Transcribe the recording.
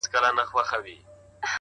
مثبت لید د ستونزو بڼه نرموي’